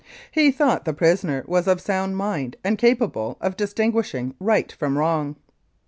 He thought the prisoner was of sound mind and capable of distinguishing right from wrong.